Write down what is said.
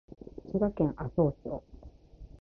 滋賀県愛荘町